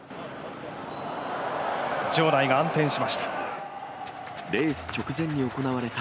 場内が暗転しました。